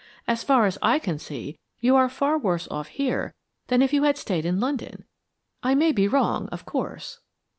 As far as I can see, you are far worse off here than if you had stayed in London. I may be wrong, of course."